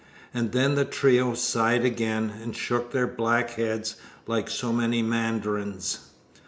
And then the trio sighed again, and shook their black heads like so many mandarins.